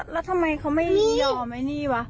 แล้วทำไมเขาไม่ยอมไอ้นี่วะ